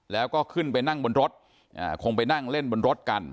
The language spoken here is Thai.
แล้วก็ขึ้นไปนั่งบนรถคงไปนั่งเล่นบนรถกัน